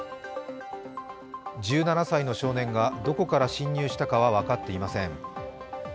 １７歳の少年がどこから侵入したかは分かっていません。